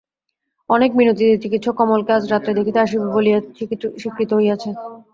অনেক মিনতিতে চিকিৎসক কমলকে আজ রাত্রে দেখিতে আসিবে বলিয়া স্বীকৃত হইয়াছে।